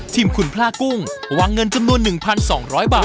ทีมคุณพลากุ้งวางเงินจำนวน๑๒๐๐บาท